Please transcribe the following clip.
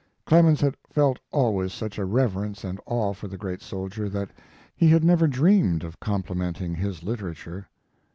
Clemens had felt always such a reverence and awe for the great soldier that he had never dreamed of complimenting his literature.